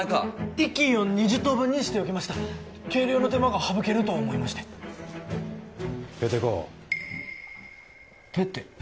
１斤を２０等分にしておきました計量の手間が省けると思いましてペテ公ペテ？